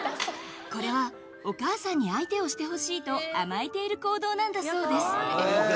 これはお母さんに相手をしてほしいと甘えている行動なんだそうです。